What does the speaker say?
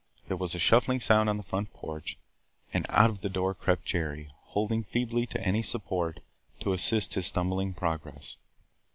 There was a shuffling sound on the front porch, and out of the door crept Jerry, holding feebly to any support to assist his stumbling progress.